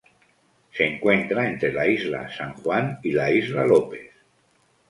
Se encuentra entre la Isla San Juan y la Isla Lopez.